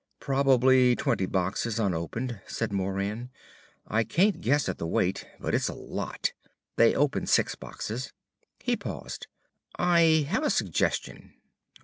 "Probably twenty boxes unopened," said Moran. "I can't guess at the weight, but it's a lot. They opened six boxes." He paused. "I have a suggestion."